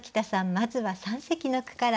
まずは三席の句から。